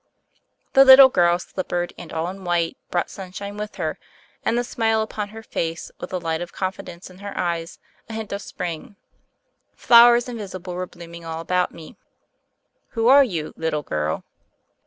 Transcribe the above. The little girl, slippered and all in white, brought sunshine with her, and the smile upon her face with the light of confidence in her eyes a hint of Spring, Flowers invisible were bloom ing all about me. "Who are you, little girl?"